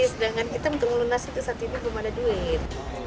sedangkan kita untuk melunasi saat itu belum ada duit